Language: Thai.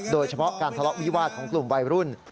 โดยเฉพาะการทะเลาะวิวาสของกลุ่มวัยรุ่น